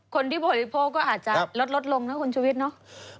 คนที่บริโภคก็อาจลดลกเวลาเนอะ